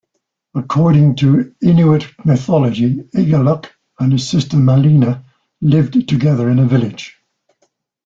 According to Inuit mythology, Igaluk and his sister Malina lived together in a village.